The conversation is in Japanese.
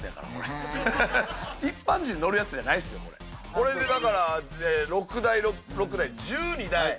これでだから６台６台１２台！